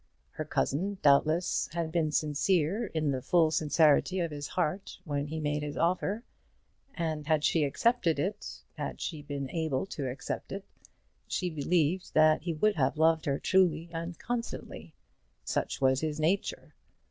Her cousin, doubtless, had been sincere in the full sincerity of his heart when he made his offer. And had she accepted it, had she been able to accept it, she believed that he would have loved her truly and constantly. Such was his nature.